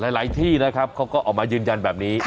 หลายที่นะครับเขาก็ออกมายืนยันแบบนี้